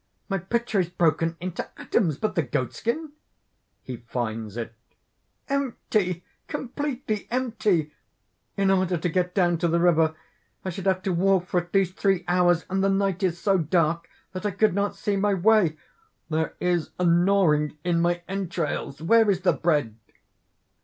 My pitcher is broken into atoms! But the goatskin?" (He finds it.) "Empty! completely empty! In order to get down to the river, I should have to walk for at least three hours; and the night is so dark that I could not see my way. "There is a gnawing in my entrails. Where is the bread!"